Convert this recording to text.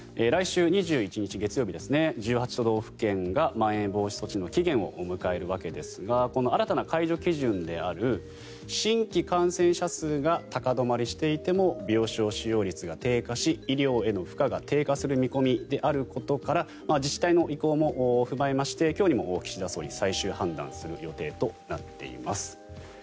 来週２１日、月曜日１８都道府県がまん延防止措置の期限を迎えるわけですがこの新たな解除基準である新規感染者数が高止まりしていても病床使用率が低下し医療への負荷が低下する見込みであることから自治体の意向も踏まえまして今日にも岸田総理最終判断する予定となっています。